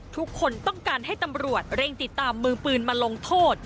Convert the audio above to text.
ทุกคนต้องการให้ตำรวจเร่งติดตามมือปืนมาลงโทษ